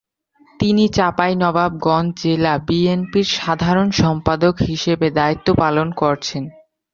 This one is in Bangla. তিনি চাঁপাইনবাবগঞ্জ জেলা বিএনপির সাধারণ সম্পাদক হিসেবে দায়িত্ব পালন করছেন।